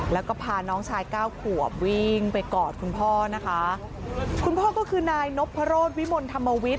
แล้วก็พาน้องชายเก้าขวบวิ่งไปกอดคุณพ่อนะคะคุณพ่อก็คือนายนพรสวิมลธรรมวิทย